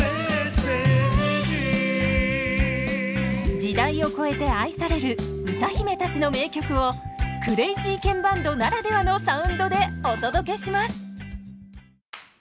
時代を超えて愛される歌姫たちの名曲をクレイジーケンバンドならではのサウンドでお届けします。